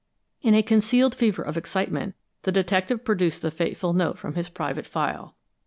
In a concealed fever of excitement, the detective produced the fateful note from his private file.